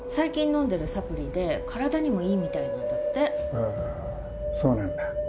へぇそうなんだ。